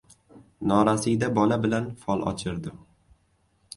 Norasida bola bilan fol ochirdim.